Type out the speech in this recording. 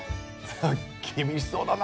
厳しそうだな。